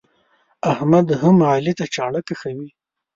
احمد هم علي ته چاړه کښوي.